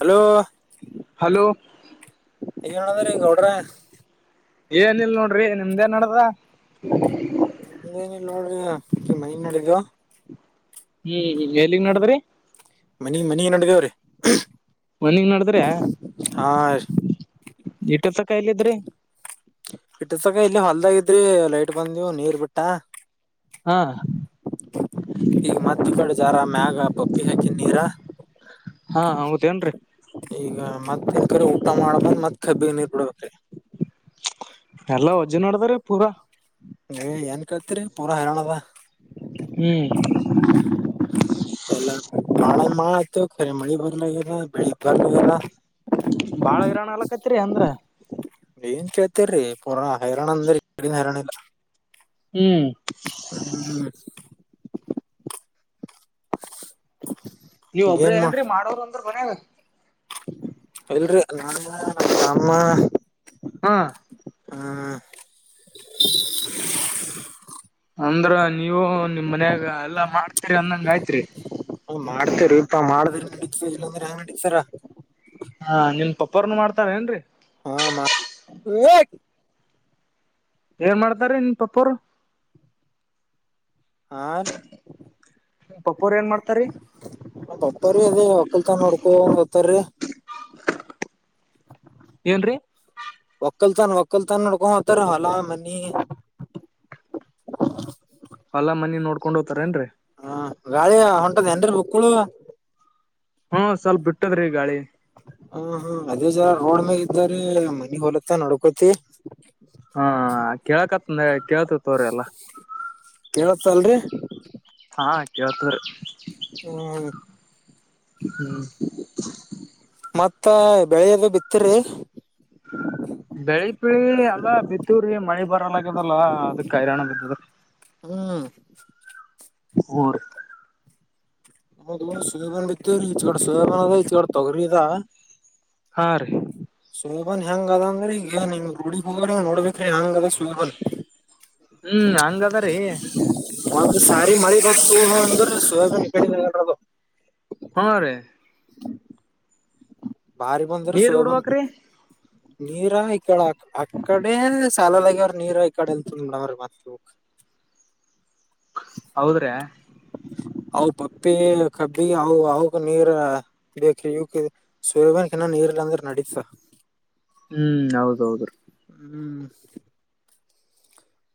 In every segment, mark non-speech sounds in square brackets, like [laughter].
Hello hello ಹೇಳೋದ್ರೀ ಗೌಡ್ರ ಏನ ಇಲ್ ನೋಡ್ರಿ ನಿಮ್ದೇನ್ ನಡ್ದ ಏನಿಲ್ಲ ನೋಡ್ರಿ ಮೈನ್ಡಿದ ಹ್ಮ್ ಎಲ್ಲಿಗ್ ನಡದ್ರಿ ಮನಿ ಮನ ನಡಗವ್ರೀ ಮನಿಗ್ ನಡದ್ರೆ ಇಟತ್ತ ಕಾಯಲ ಇದ್ರಿ ಬಿಟ್ಟಸಕ ಇಲ್ಲಿ ಹೊಲ್ದಾಗಿದ್ರಿ ಲೈಟ್ ಬಂದವು ನೀರ್ ಬಿಟ್ಟ ಹಾ ಈಗ ಮದ ಕಡೆ ಜಾರ ಮ್ಯಾಗ ಪಪ್ಪಿ ಹಾಕಿದ ನೀರ ಹಾ ಹೌದೇಏನ್ರರಿ ಈಗ ಮತ್ತ ಯಕ್ರ ಊಟ ಮಾಡಬಂದ್ ಮತ್ ಕಬ್ಬಿ ನೀರ್ ಬಿಡಬೇಕೆ ಎಲ್ಲ ವಜ್ಜೆ ನೋಡ್ದ್ರ ಪೂರಾ ಏ ಏನ್ ಕಳ್ತರಿ ಪೂರಾ ಹರೋಣದ ಹ್ಮ್ [inaudible] ಎಲ್ಲ ಮಾಳೆ ಮಾಳ ಆಯತು ಕಖರಿ ಮಳಿ ಬರ್ಲಲ್ಲ ಬೆಳಿಗ್ ಬರ್ಲಲ್ಲ ಬಾಳ ಗಿರರಣ ಆಲಕೈತ್ರಿ ಅಂದ್ರ ಏನ್ ಕೇಳ್ತರೀ ಪೂರ ಹೈರಾಣ ಅಂದ್ರನ್ ಹೈರಾಣ ಇಲ್ಲ ಹ್ಮ್ ಹ್ಮ್ ನೀವ ಒಬ್ಬ್ರ ಏನ್ ಮಾ ನ್ರಿ ಮಾಡೋದ ಅಂದ್ರ ಕೊನೆಗಾ ಇಲ್ರಿ ನಾ ನಮ್ಮ ಹ್ಮ್ ಹಾ ಅಂದ್ರ ನೀವು ನಿಮ್ ಮನ್ಯಾಗ ಎಲ್ಲಾ ಮಾಡ್ತೀರಿ ಅಂದಂಗ ಆಯ್ತ್ರಿ ಮಾಡ್ತರ ಇಪ್ಪ ಮಾಡ ನಡ ಇಲ್ಲಾಂದ್ರಂಗ ನಡತಾರ ಹಾ ನಿಮ್ ಪಪ್ಪರ್ನು ಮಾಡ್ತಾರ ಏನ್ರರಿ ಹಾ ಮ ಅಯ್ಯೋ ಏನ್ ಮಾಡ್ತಾರ ನಿನ್ ಪಪ್ಪರು ಆ ನಿಮ್ ಪಪ್ಪೋರ್ ಏನ್ ಮಾಡ್ತಾರಿ ನ ಪಪ ರೀ ಅದೇ ಒಕ್ಕಲ್ತ ನೋಡ್ಕೊಂದ ಹತ್ತಾರೀ ಏನ್ರರಿ ಒಕ್ಕಲ್ ತನ್ ಒಕ್ಕಲ್ತಾನ ನೋಡ್ಕೊಂಡ ಹೋಗತಾರ ಹೊಲಾ ಮನಿ ಅಲ್ಲ ಮನಿ ನೋಡ್ಕೊಂಡು ಹೋಗ್ತಾರೇನ್ರಿ ಹ ಗಾಳಿ ಹೊಂಟದ ಏನ್ರಿ ಬುಕ್ಕುಳ ಹ್ಮ ಸ್ವಲ್ಪ ಬಿಟ್ಟದ್ರೀ ಗಾಳಿ ಹ ಹಾ ಅದೇ ಜರ ರೋಡ್ ಮೇ ಇದ್ದಾರೆ ಮನಿ ಹೊಲತ್ತ ನಡ್ಕೋತಿ ಹಾ ಕೇಳಕತ್ ಕೇಳತ ತೋರ ಅಲ್ಲಾ ಇವತ್ತು ಸಂಡೆ ಹಾ ಕೇಳುತ್ತಾರೆ ಹ್ಮ ಹ್ಮ ಮತ್ತ ಬೆಳೆಯದು ಬಿತ್ತರಿ ಬೆಳಿ ಪಳಿ ಅಲ್ಲ ಬಿತ್ತೂ್ರಿಗೆ ಮಳಿ ಬರಲ್ಲ ಆಗ್ಯದಲ್ಲ ಅದಕ್ ಕ ಹೈರಾಣ ಬಿದ್ದದ ಹ್ಮ [inaudible] [inaudible] ಹಾ ರೀ ಸೋಮನ್ ಹೆಂಗ ಅದಂದ್ರೆ ಈಗ ರೂಡಿಗ್ ಹೋಗ್ರಂಗ ನೋಡ್ಬೇಕ್ರಿ ಹೆಂಗ ಅದ ಸುಲ್ಬನ್ ಹ್ಮ್ ಹಂಗದ ರೀ ಹದು ಸಾರಿ ಮಳಿ ಬ ಅಂದ್ರ ಸೋಬದು ಹು ರಿ ಬಹಾರಿ ಬಂಧರ ನೀರ್ ಶುವ [inaudible] ಬಿಡ್ಬೇಕ್ರಿ ನೀರಾ ಈಕಡ ಅಕ್ಕಡೆ ಸಾಲಾಲಾಗ್ಯ ಅವ್ರ ನೀರ ಈಕಡೆ ಇಲ್ತಡ ಅವ್ರೀ ಮತ್ತ ಹೌದ್ರೆ ಹ ಪಪ್ಪಿ ಕಬಿ ಹ ನೀರ ಬ ಸೂರ್ಯಬನ್ ಏನನ್ ನೀರ್ಲ್ಲಾಂದ್ರೆ ನಡೀತಾ ಹ್ಮ್ ಹೌದ ಹೌದುರೀ ಹ್ಮ್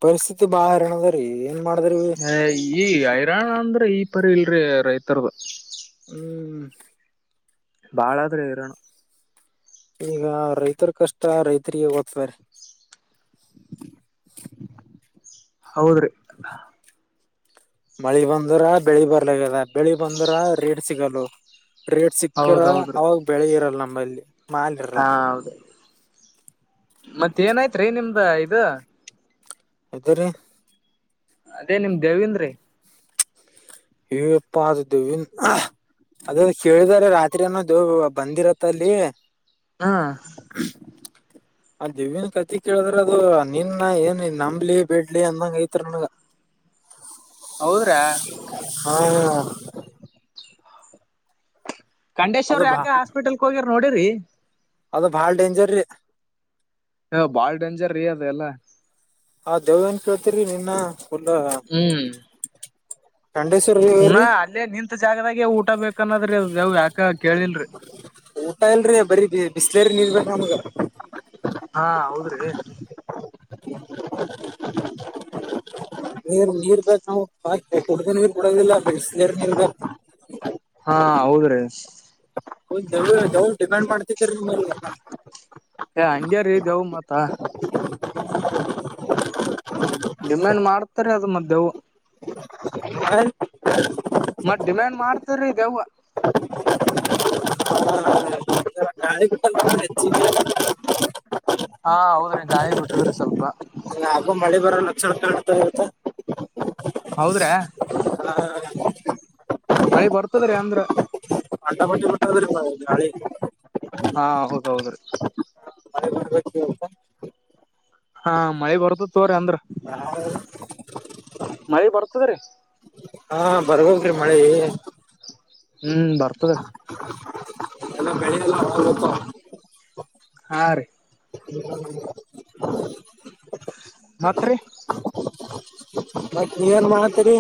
ಪರಿಸ್ಥಿತಿ ಬಹಾರಣದ ಏನ್ ಮಾಡ ಅ ಈ ಹೈರಾಣ ಅಂದ್ರೆ ಈ ಪರಿ ಇಲ್ರಿ ರೈತರ್ದ ಹ್ಮ್ ಬಾಳಾದ್ರೆ ಇರೋಣ ಈಗ ರೈತರ್ ಕಷ್ಟ ರೈತರಿಗೆ ಓದ್ತ್ರ ಹೌದ್ರಿ ಮಳಿ ಬಂದ್ರ ಬೆಳಿ ಬರ್ಲಕ್ಕದ ಬೆಳಿ ಬಂದ್ರ ರೇಟ್ ಸಿಗಲ್ಲ ರೇಟ್ ಸಿಕ್ಕರ ಹೌದೌದ್ರಿ ಅವಾಗ ಬೆಳಿ ಇರಲ್ಲ ನಮ್ಮಲ್ಲಿ ಮಾಲ್ ಇರಲ್ಲ ಹಾ ಹೌದ ಮತ್ತ ಏನಾಯ್ತ್ ರೀ ನಿಮ್ದ ಇದು ಇದರೆ ಅದೇ ನಿಮ್ ದೇವಂದ್ರಿ ಹೇ ಏನಪ್ಪಾ ಅದು ದೇವ್ವಿಂದ್ ಅದ ಕೇಳಿದಾರೆ ರಾತ್ರಿ ಅಏನೋದು ಬಂದಿರತ್ತ ಅಲ್ಲಿ ಹಾ [inaudible] ಆ ದಿವೀನ್ ಕತಿ ಕೇಳಿದ್ರೆ ಅದು ನಿನ್ನ ಏನ್ ನಂಬ್ಲಿ ಬಿಡ್ಲಿ ಅಂದಂಗ ಐತ್ ನನಗ ಹೌದ್ರಾ ಹಾ ಕಂಡೇಶ್ವ ಅದು ಬಾ ಯಕ ಆಸ್ಪಿಟಲ್ ಹೋಗಿರ್ ನೋಡರಿ ಅದು ಬಾಳ ಡೇಂಜರ್ ರೀ ಹ ಬಾಳ್ ಡೇಂಜರ್ ರಿ ಅದ ಎಲ್ಲ ಆ ದೇವನ್ ಕೇಳ್ತರಿ ನಿನ್ನ ಹ್ಮ್ ಖಂಡೇಶ್ವರ್ ಪುನಾ ವೇರೀ ಅಲ್ಲೇ ನಿಂತತ್ ಜಾಗದಾಗೆ ಊಟ ಬೇಕನ್ನೋದ್ರಿ ಯಾವ್ ಯಾಕ ಕೇಳಿಲ್ರರಿ ಊಟ ಇಲ್ರಿ ಬರೀ ಬಿಸ್ಲೇರಿ ನೀರ್ ಬ ನಮ್ಗ ಹಾ ಹೌದ್ರಿ ಹಾ [inaudible] ನೀರ್ ನೀರ್ ಬಕ್ ನಾವು ಕುಡ್ದ ನೀರ್ ಬಿಡೋದಿಲ್ಲ ಬೆಸ್ಲೇರಿ ನೀರ್ ಬೇಕ್. ಹಾ ಹೌದ್ರೀ. ಒ ದವ ದವಳ ಡಿಮ್ಯಾಂಡ್ ಮಾಡ್ತದರಿ ನಮಗೆಲ್ಲಾ. ಏ ಹಂಗ್ಯರಿ ದೇವ್ ಮಾತ ಡಿಮ್ಯಾಂಡ್ ಮಾಡ್ತರಿ ಅದ ಮತ ಧ್ಯವು ಮಾಡಿದೆನ್ ಮತ್ ಡಿಮ್ಯಾಂಡ್ ಮಾಡ್ತರೀ ದೇವ್. ನಾಳಿ ಬಿಟ್ಟ ಮಾಡಿದ್ರೇನ್ ಹೆಚ್ಚ ಹಾ ಹೌದ್ರಿ ಗಾಯಿ ಬಿಟ್ಟದ್ರಿ ಸ್ವಲ್ಪ. ಯಾಕೊ ಮಳಿ ಬರೋ ಲಕ್ಷಣ ಕಾಣ್ತದ ಇವತ್ತ. ಹೌದ್ರಾ ಮಳಿ ಬರ್ತದ್ರೀ ಅಂದ್ರ ಅಟಪಟ್ಟಿ ಬಿಟ್ಟ ನಾಳಿಗೆ ಹಾ ಹೌದ ದೌದ್ರೀ. ಮನೆಗೆ ಬರ್ಬೇಕು ನೀವು ಹಾ ಮಳಿ ಬರ್ತತ ತೋರೀ ಅಂದ್ರ ಮಳೆ ಬರ್ತದ್ರೀ. ಹಾ ಬರ್ಬೇಕ್ ರಿ ಮಳಿ ಹು ಬರ್ತದ ರಿ ದಡ ದಡ ದಡ ಏನಲಾ ಹಾಲು ಉಕ್ಕಸೋವಾ ಹಾ ರೀ ತಿರ್ಗಯ್ಯಾಡಿ ತಿರ್ಗಯ್ಯಾಡಿ ಮತ್ತ ರಿ ಮತ್ತ ನೀವ ಏನ್ ಮಾಡಾತ್ತೀರಿ.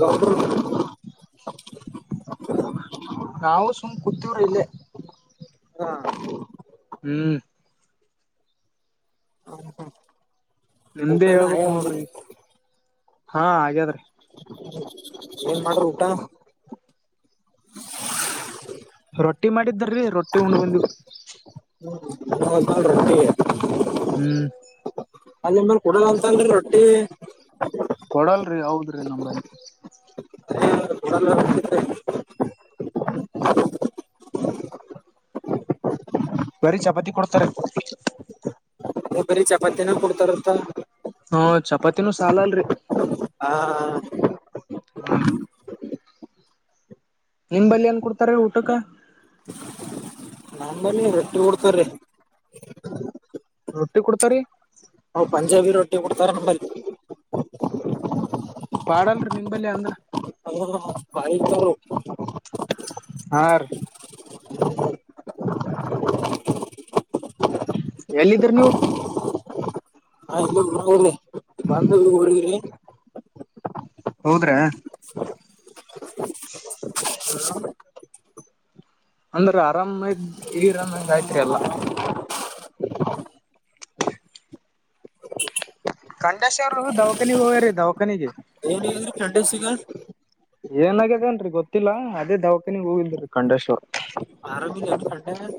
ಗಬ್ಬುರು ನಾವು ಸುಮ್ಮ ಕುಂತೀವಿ ರಿ ಇಲ್ಲೇ ಹಾ ಹು ಹೌದು. ನಿಮ್ದೆ ಹೇಳ್ಬೇಕ ನೋಡ್ರಿ ಹಾ ಹಾಗ್ಯಾದ್ರಿ. ಏನ್ ಮಾಡ್ರಿ ಊಟ. ರೊಟ್ಟಿ ಮಾಡಿದ್ದರೀ ರೊಟ್ಟಿ ಉಂಡ್ ಬಂದಿವರಿ ಹು ಉಣ್ಣೊದು ಮಾಡ ರೊಟ್ಟಿ. ಹು. ಅದು ನನ್ ಕೊಡಲ್ಲ ಅಂತನ್ರಿ ರೊಟ್ಟಿ. ಕೊಡಲರಿ ಹೌದ್ರಿ ನಂಬಲ್ಲಿ. [inaudible] ಬರೀ ಚಪಾತಿ ಕೊಡ್ತಾರೆ. ಬರಿ ಚಪಾತಿನ ಕೊಡ್ತಾರಂತ. ಹು ಚಪಾತಿನೂ ಸಾಲಂಡ್ರಿ. ಆ ಆ. ಹಾ ರಿ ನಿಮಂಬಲ್ಲಿ ಏನ್ ಕೊಡ್ತಾರಿ ಊಟಕ್ಕ. ನಮ್ಮಲ್ಲಿ ರೊಟ್ಟಿ ಕೊಡ್ತಾರಿ. ರೊಟ್ಟಿ ಕೊಡ್ತಾರೀ. ಪಂಜಾಬಿ ರೊಟ್ಟಿ ಕೊಡ್ತಾರಂಟಲ್ಲ ಪಾಡಲ್ರಿ ನಿಂಬಲ್ಲಿ ಅಂದ್ರ ಹ ಬಾಯತು [inaudible] ಹಾ ರೀ ಎಲ್ಲಿದ್ರ ನೀವು [unintelligible] ಹೌದ್ರಾ ಹ್ [inaudible] ಅಂದ್ರೆ ಆರಾಮ ಇದ್ ಇರಾಮಂಗ ಆಯ್ತ್ರಿ ಎಲ್ಲಾ ಕಂಡೇಶ್ವರು ದವಖಾನಿಗೆ ಹೋಗೀ ದವಖಾನಿಗೆ ಏನ್ ಹೇಗಿದ್ರಿ ಕೆಂಡ ದಿವಸಗ ಏನಗ್ಯದೇನ್ರರಿ ಗೊತ್ತಿಲ್ಲ ಅದೇ ದವಾಖಾನಿಗ್ ಹೋಗಿದ್ರೀ ಕಂಡಷ್ಟು ಆರಾಮ ಎಕೊಂಡೆ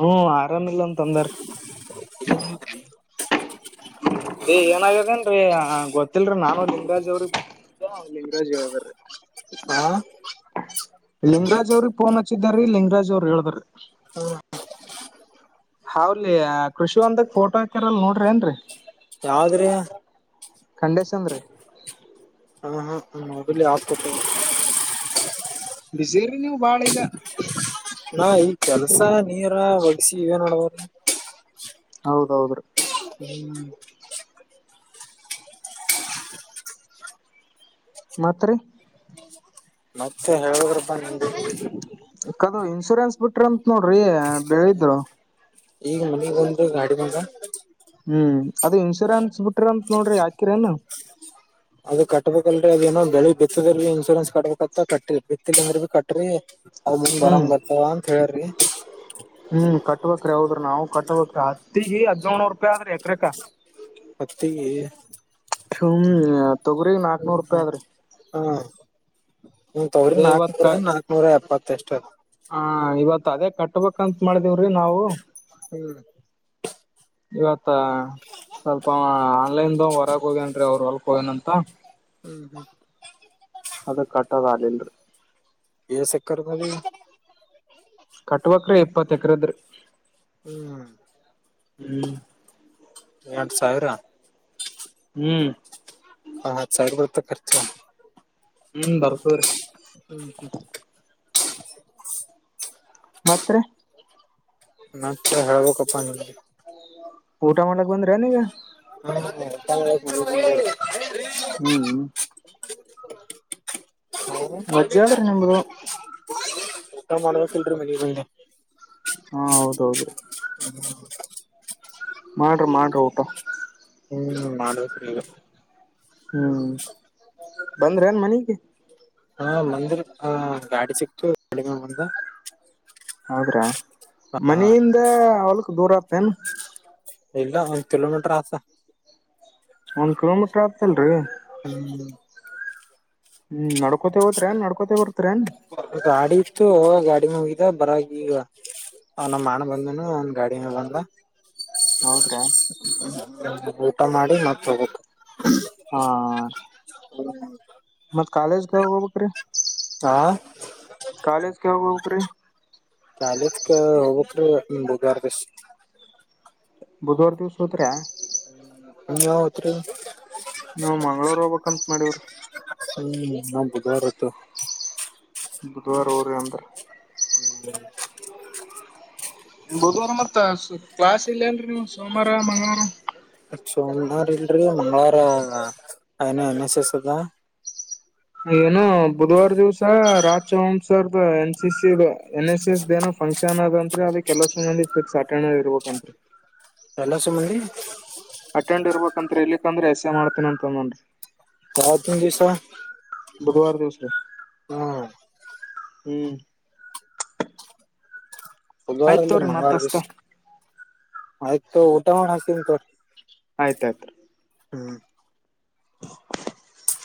ಹ್ಮ್ ಆರಾಮಿಲ್ಲ ಅಂತಂದಾರ್ರೀ [inaudible] ಅ ಏನಗ್ಯದೇನ್ರರಿ ಗೊತ್ತಿಲ್ರರಿ ನಾನು ದಿಂಗಾಜ್ ಅವ್ರಿಗೆ ಹ ಅಲ್ಲಿರಾಜಿ ಹೇಳದಾರೆ [unintelligible] ಹಾ ಲಿಂಗರಾಜ್ ಅವ್ರಿಗೆ ಫೋನ್ ಹಚ್ಚಿದಾರಿ ಲಿಂಗ್ರಾಜ್ ಅವ್ರರು ಹೇಳ್ದ್ರೀ ಹಾ ಹಾವ್ಲಿ ಕೃಷಿ ಒಂದದಾಗ ಫೋಟೋ ಹಾಕ್ಯರಲ್ ನೋಡ್ರಿ ಏನ್ರರಿ ಯಾವದ್ರಿ ಖಂಡೇಶನ್ ರೀ ಹಾ ಹಾ ಹ್ಮ ಅದ ಆಕೊ ಬಿಸೇರಿ ನೀವು ಬಾಳ ಈಗ ನಾ ಈ ಕೆಲ್ಸ ನೀರ ಒಗ್ಸಿ ಇವೇನ್ ಮಾಡಡ್ಬ್ರಿ ಹೌದೌದುರ ಹ್ಮ್ ಮತ್ ರಿ ಮತ್ತೆ ಹೇಳುದ್ರಪ್ಪಾ ನಿಮ್ದಗೆ ಕದು ಇನ್ಶೂರೆನ್ಸ್ ಬಿಟ್ರ ಅಂತ ನೋಡ್ರಿ ಬೆಳಿದ್ರು ಈಗ ಮನಗ್ ಬಂದ್ರರು ಗಾಡಿ ಬಂದ ಹ್ಮ್ ಅದ ಇನ್ಶೂರೆನ್ಸ್ ಬಿಟ್ರ ಅಂತ ನೋಡ್ರಿ ಯಾಕಿರೇನು ಅದ ಕಟ್ಬೇಕಲ್ರರಿ ಅದೇಏನೋ ಬೆಳಿ ಬಿತ್ತದಲ್ ಇನ್ಶೂರೆನ್ಸ್ ಕಟ್ಬೇಕತ್ತ ಕಟ್ಟ ಬಿತ್ತಿಲ್ಲ ಅಂದ್ರ ಭ ಕಟ್ರಿ ಅದ ಮುಂಗ್ ಬರಂಗ್ ಹ್ಮ್ ಬರ್ತಾವ ಅಂತ ಹೇಳ್ರಿ ಹ್ಮ್ ಕಟ್ಬೇಕ್ರ ಹಾವದ್ರಿ ನಾವವು ಕಟ್ಬೇಕ್ರ ಅತಿ ಹಿ ಹದಿನೇಳ ನನೂ ರೂಪಾಯಿ ಆದ್ರಿ ಎಕ್ರಕಾ ಹತ್ತಿಗೆ ಹುಮ್ಮ ತೊಗ್ರಗ್ ನಾಲ್ಕನೂರು ರೂಪಾಯಿ ಆದ್ರೀ ಹಾ ಒ ತವ್ರಿ ಅದೇ ನಾಕನೂರ ನಾಕ್ನೂರ ಎಪ್ಪತ್ತ ಎಷ್ಟು ಹಾ ಇವತ್ ಅದೇ ಕಟ್ಬೇಕಂತ ಮಾಡಿದೀವ್ರಿ ನಾವು ಹ್ಮ್ ಇವತ್ತ ಸ್ವಲ್ಪ ಆನ್ಲೈನ್ದ ಹೊರಗ ಹೋಗೇನ್ರೀ ಅವ್ರು ಹೊಲ್ಕೋನ ಅಂತ ಹ್ಮ್ ಹ್ಮ್ ಅದ ಕಟ್ಟದ್ ಆಗ್ಲ್ರರಿ ಎ ಸಕ್ಕರ್ದದು ಕಟ್ ಬೇಕ್ರಿ ಎಪ್ಪತ್ತ ಎಕ್ರದ್ರೀ ಹ್ಮ್ ಹೂ ಎಂಟ ಸಾವಿರ ಹೂ ಮತ್ತೆ ಸೈಡ್ ಗಳ್ ಖರ್ಚು ಹೂ ಬರ್ತವ್ರೀ ಹೂ ಮತ್ತೆರಿ ಮತ್ತ ಹೇಳ್ಬೇಕಪ್ಪ ನಿ ಊಟ ಮಾಡಕ್ ಬಂದ್ರಿ ನೀಗ ಹೂ ಊಟ ಮಾಡಕ್ ಬಂದ್ವಿ ಹ್ಮ್ ಹಲೋ ವಜ್ಜ ಆದ್ರ ನಿಮ್ದು ಊಟ ಮಾಡಬೇಕಇಲ್ರಿ ಮನೆಗೆ ಬಂದ ಹಾ ಹೌದೌದು ರಿ [inaudible] ಮಾಡ್ರಿ ಮಾಡ್ರಿ ಊಟ ಹೂ ಮಾಡಬೇಕ ಈಗ ಹೂ ಬಂದ್ರಿ ಅ ಏನ್ ಮನಗೆ ಹಾ ಮಂದಿರ ಹ ಗಾಡಿ ಸಿಕ್ತು ಗಾಡಿ ತಗೊಂಡು ಬಂದ ಹೌದ್ರ ಹಾ ಮನೆಯಿಂದ ಹೊಲಕ್ ದೂರ ಆತೇನ್ ಇಲ್ಲ ಒಂದ್ ಕಿಲೋಮೀಟರ್ ಆಗ್ತಾ ಒಂದ್ ಕಿಲೋಮೀಟ್ರ್ ಆಗ್ತಲ್ರರಿ ಹೆಂಗ್ ಐತಿ ಹೂ ನಡ್ಕೋತೇ ಹೋತ್ರೇನ್ ನಡ್ಕೋತೆ ಬರ್ತರ ೇನ್ ಗಾಡಿ ಇಷ್ಟು ಗಾಡಿ ಮುಗಿದ ಬರಗ ಈಗ ಅವ ನಮ್ಮ್ ಅಣ್ಣ ಬಂದೇನು ಒಂದ ಗಾಡಿನ ಬಂದ ಹೌದ್ರಾ ಊಟ ಮಾಡಿ ಮ ತಗೋು ಹಾ ಹೂ ಮತ್ ಕಾಲೇಜ್ಕ ಹೋಗ್ಬೇಕ್ರಿ ಹಾ ಕಾಲೇಜ್ಕ ಯಾವಾಗ ಹೋಗ್ಬೇಕ್ರಿ ಕಾಲೇಜ್ ಹೋಗ್ಬೇಕ್ರಿ ಇನ್ನೂ ಒಂದು ಎರೆಡ ದಿವಸ ಬುಧವಾರ ದಿವ್ಸ ಹೋತಿರಾ ನೀವು ಯಾವಾಗ ಹೋಗ್ತೀರಿ ನಾವ್ ಮಂಗ್ಳೂರ್ ಹೋಗ್ಬೇಕ್ಂತ ಮಾಡವ್ರಿ ಹೂ ನಾ ಬುಧವಾರ ಹೋಗ್ತೀವಿ ಬುಧವಾರ ಹೋಗ್ರಿ ಅಂದ್ರು ಹ್ನ ಬುಧವಾರ ಮತ್ತ ಕ್ಲಾಸ್ ಇಲ್ಲೇನ್ರಿ ನೀವು ಸೋಮವಾರ ಮಂಗಳವಾರ ಸೋಮವಾರ ಇಲ್ರಿ ಮಂಗಳವಾರ ಐನ ಎನ್ ಎಸ್ ಎಸ್ ಆದ ಏನು ಬುಧವಾರ ದಿವ್ಸ ರಾಜ ಹನ್ಸರ್ದ N C C N S S no function ಅದ ಅಂರಿ ಅದಕ್ಕೆ ಕೆಲವ ಸಂಂದಿ ಟಿಕ್ ಅಟೆಂಡ್ ಆ ಇರ್ಬೇಕಂತ್ರಿ ಎಲ್ಲಸು ಮಂದಿ ಅಟೆಂಡ್ ಇರ್ಬೇಕಂತ್ರ ಇಲಿಕ್ಂದ್ರೆ ಎಸ ಮಾಡ್ತೇನ ಅಂತಂದೋನ್ಿ ಹ ತ ಒಂದ ದಿವಸ ಬುಧವಾರ ದಿವಸ್ ಹ್ಮ್ ಹ್ಮ್ ಬುಧವಾರ ಆಯ್ತ್ ಇಲ್ಲ ತವ್ರಿ ಮತ್ ಮಂಗವಾರ ದಿವಸ ಹಸ್ತ ಆಯ್ತು ತಗೋ ಊಟ ಮಾಡಿ ಹಸ್ತೆನ್ ತೋ ಆಯ್ತ್ ಆಯ್ತಾ ರೀ ಹ್ಮ್ [inaudible]